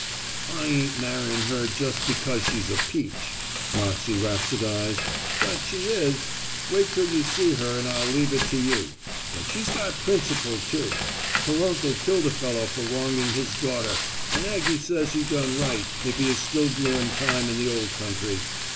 "I ain't marr'in' her just because she's a peach," Moxey rhapsodized, "but she is. Wait till you see her and I'll leave it to you. But she's got principle, too. Her uncle killed a fellow for wronging his daughter and Aggie says he done right, if he is still doing time in the old country.